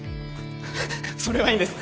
それはいいんです。